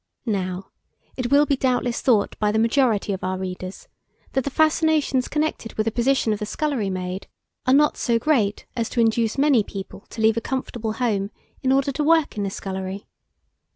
Now, it will be doubtless thought by the majority of our readers, that the fascinations connected with the position of the scullery maid, are not so great as to induce many people to leave a comfortable home in order to work in a scullery.